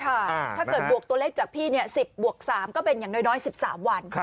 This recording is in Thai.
ถ้าเกิดบวกตัวเลขจากพี่๑๐บวก๓ก็เป็นอย่างน้อย๑๓วัน